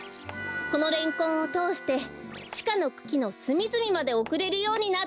このレンコンをとおしてちかのくきのすみずみまでおくれるようになっているんです。